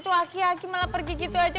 tuh aki aki malah pergi gitu aja